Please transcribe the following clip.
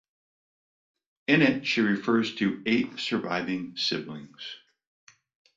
In it, she refers to eight surviving siblings.